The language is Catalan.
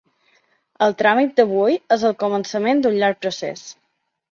El tràmit d’avui és el començament d’un llarg procés.